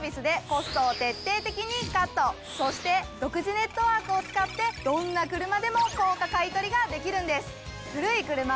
そして独自ネットワークを使ってどんな車でも高価買取ができるんです！